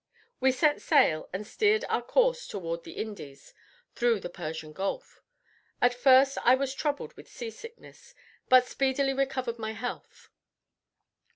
We set sail, and steered our course toward the Indies, through the Persian Gulf. At first I was troubled with sea sickness, but speedily recovered my health.